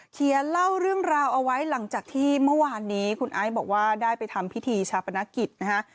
เขียนเล่าเรื่องราวเอาไว้หลังจากที่เมื่อวานนี้คุณไอซ์บอกว่าได้ไปทำพิธีชาปนกิจนะฮะ